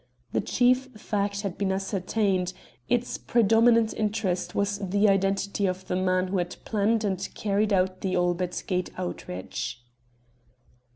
The chief fact had been ascertained, its predominant interest was the identity of the man who had planned and carried out the "Albert Gate outrage."